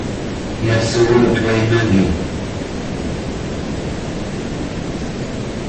Я целую твои ноги.